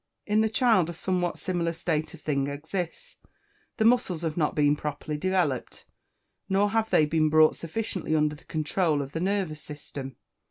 In the child a somewhat similar state of things exists. The muscles have not been properly developed, nor have they been brought sufficiently under the controul of the nervous system.